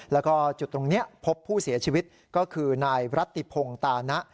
แล้วก็จุดตรงนี้พบผู้เสียชีวิตก็คือนายรัตติพงศ์ตานะ